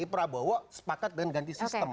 prabowo sepakat dengan ganti sistem